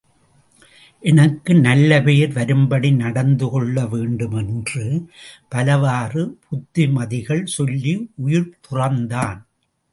எனக்கு நல்ல பெயர் வரும்படி நடந்துகொள்ள வேண்டும் என்று பலவாறு புத்திமதிகள் சொல்லி உயிர் துறந்தான்.